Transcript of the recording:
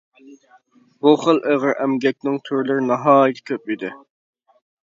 بۇ خىل ئېغىر ئەمگەكنىڭ تۈرلىرى ناھايىتى كۆپ ئىدى.